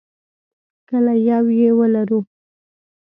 کله یو یې ولرو.